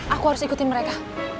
aku harus ikutin mereka